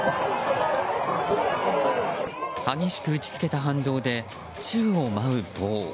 激しく打ち付けた反動で宙を舞う棒。